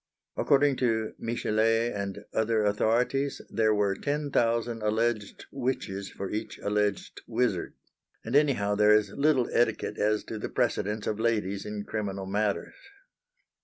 According to Michelet and other authorities there were ten thousand alleged witches for each alleged wizard! and anyhow there is little etiquette as to the precedence of ladies in criminal matters.